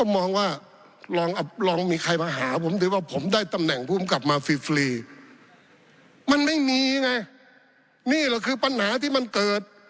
มันไม่มีไงนี่แหละคือปัญหาที่มันเกิด